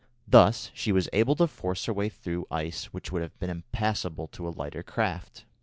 Thus she was able to force her way through ice which would have been impassable to a lighter craft.